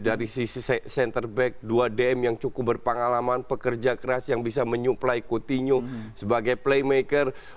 dari sisi center back dua dm yang cukup berpengalaman pekerja keras yang bisa menyuplai coutinho sebagai playmaker